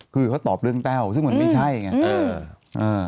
คือเขาตอบเรื่องแต้วซึ่งเหมือนไม่ใช่อย่างนี้